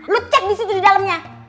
lu cek di situ di dalamnya